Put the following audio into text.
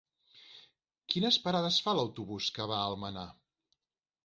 Quines parades fa l'autobús que va a Almenar?